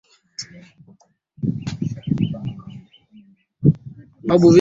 alichanganyika na makundi ya watu wakati wa matembezi